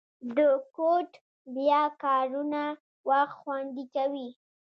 د کوډ بیا کارونه وخت خوندي کوي.